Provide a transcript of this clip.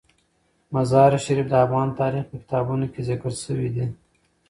مزارشریف د افغان تاریخ په کتابونو کې ذکر شوی دي.